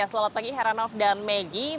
selamat pagi heranov dan megi